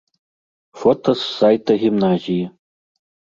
Фота з сайта гімназіі.